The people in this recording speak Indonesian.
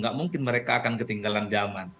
gak mungkin mereka akan ketinggalan zaman